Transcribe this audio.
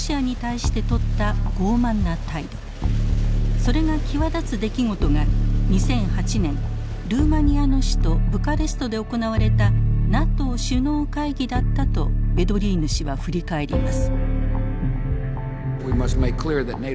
それが際立つ出来事が２００８年ルーマニアの首都ブカレストで行われたＮＡＴＯ首脳会議だったとヴェドリーヌ氏は振り返ります。